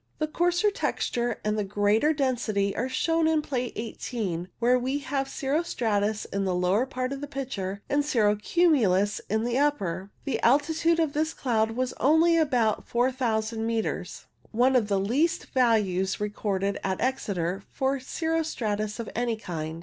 A coarser texture and greater density are shown in Plate i8, where we have cirro stratus in the lower part of the picture, and cirro cumulus in the upper. The altitude of this cloud was only about 4000 metres, one of the least values recorded at Exeter for cirro stratus of any kind.